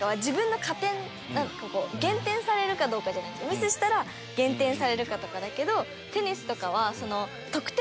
ミスしたら減点されるかとかだけど。